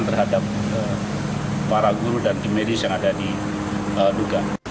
terhadap para guru dan tim medis yang ada di duga